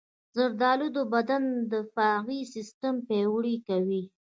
زردالو د بدن دفاعي سیستم پیاوړی کوي.